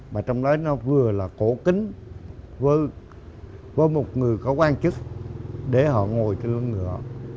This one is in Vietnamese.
mà trong đấy nó vừa là cổ kính với một người có quan chức để họ ngồi trên nón ngựa